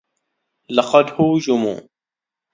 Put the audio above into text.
لقد هوجموا.